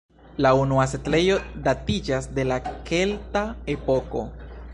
La unua setlejo datiĝas de la kelta epoko.